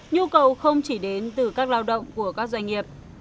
nhu cầu không chỉ đến từ các lao động của các doanh nghiệp